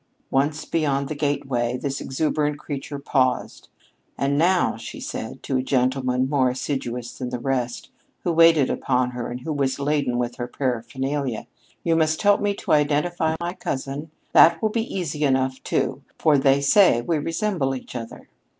Once beyond the gateway, this exuberant creature paused. "And now," she said to a gentleman more assiduous than the rest, who waited upon her and who was laden with her paraphernalia, "you must help me to identify my cousin. That will be easy enough, too, for they say we resemble each other."